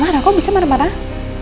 marah marah kok abis marah marah